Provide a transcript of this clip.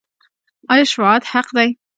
آیا شفاعت حق دی؟